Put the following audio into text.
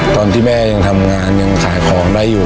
ตอนที่แม่ยังทำงานยังขายของได้อยู่